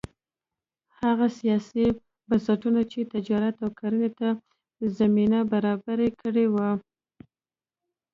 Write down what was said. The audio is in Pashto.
هغه سیاسي بنسټونه چې تجارت او کرنې ته زمینه برابره کړې وه